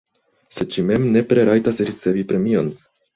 Sed ŝi mem nepre rajtas ricevi premion.